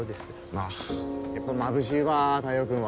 ああやっぱまぶしいわ太陽君は。